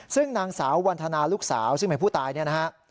ซึ่งนางสาววันธนาลูกสาวซึ่งหมายถึงผู้ตาย